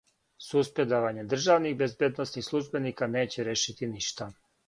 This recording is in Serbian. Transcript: Суспендовање државних безбедносних службеника неће решити ништа.